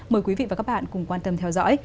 mời quý vị và các bạn cùng quan tâm theo dõi